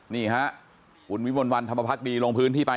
นี่ครับอุ๋นวิมวันวันธรรมพัฒน์ดีลงพื้นที่ไป